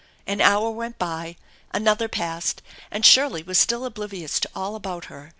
An hour went by, another passed, and Shirley was still oblivious to all about her.